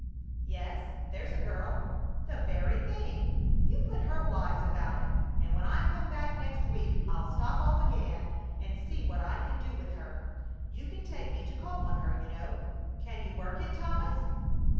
"Yes, there's a girl!" "The very thing! You put her wise about it, and when I come back next week I'll stop off again and see what I can do with her? You can take me to call on her, you know. Can you work it, Thomas?"